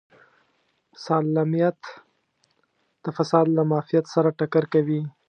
سالمیت د فساد له معافیت سره ټکر کوي.